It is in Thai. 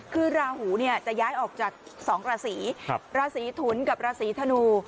คือราหูเนี่ยจะย้ายออกจาก๒ราศีราศีถุนกับราศีธนู